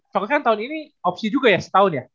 coke kan tahun ini opsi juga ya setahun ya